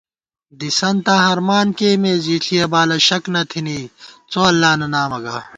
دِسَنتاں ہرمان کېئیمېس، ژِݪِیَہ بالہ شَک نہ تھِنی څو اللہ نہ نامہ گا